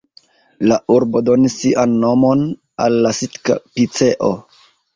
La urbo donis sian nomon al la Sitka-piceo.